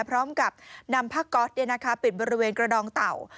พร้อมกับนำผ้าก๊อตปิดบริเวณกระดองเต่า